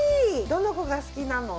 どの子が好きなの？